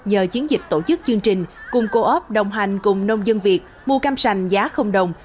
do chiến dịch tổ chức chương trình cùng coop đồng hành cùng nông dân việt mua cam sành giá đồng